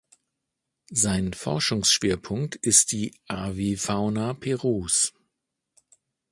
Sein Forschungsschwerpunkt ist die Avifauna Perus.